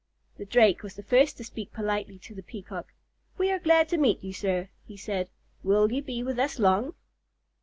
The Drake was the first to speak politely to the Peacock. "We are glad to meet you, sir," he said. "Will you be with us long?"